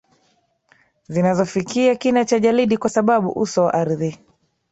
zinazofikia kina cha jalidi kwa sababu uso wa ardhi